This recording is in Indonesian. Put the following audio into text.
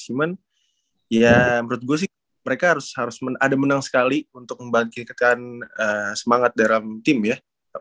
ya menurut gue mereka harus ada menang sekali untuk membagikan semangat dalam tim ya